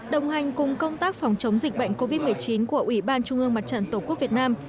đồng hành cùng công tác phòng chống dịch bệnh covid một mươi chín của ủy ban trung ương mặt trận tổ quốc việt nam